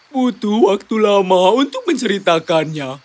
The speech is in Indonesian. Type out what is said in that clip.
butuh waktu lama untuk menceritakannya